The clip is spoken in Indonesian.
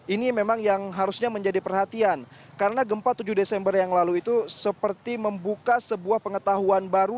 ini memang yang harusnya menjadi perhatian karena gempa tujuh desember yang lalu itu seperti membuka sebuah pengetahuan baru